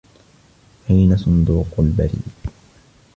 أين صندوق البريد ؟